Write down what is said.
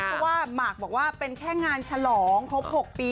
เพราะว่าหมากบอกว่าเป็นแค่งานฉลองครบ๖ปี